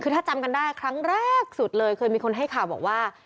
คือถ้าจำกันได้ครั้งแรกสุดเลยเคยมีคนให้ข่าวบอกว่า